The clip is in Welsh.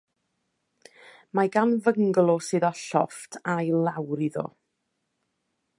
Mae gan fyngalo sydd â llofft ail lawr iddo.